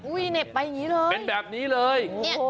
เหน็บไปอย่างนี้เลยเป็นแบบนี้เลย